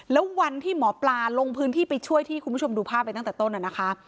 แล้ววันที่หมอปลาลงพื้นที่ไปช่วยที่คุณผู้ชมดูภาพไปตั้งแต่ต้นน่ะนะคะ